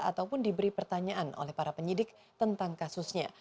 ataupun diberi pertanyaan oleh para penyidik tentang kasusnya